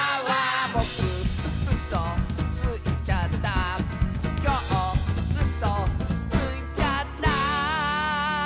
「ぼくうそついちゃった」「きょううそついちゃった」